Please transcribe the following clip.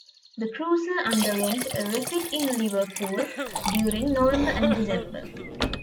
The cruiser underwent a refit in Liverpool during November and December.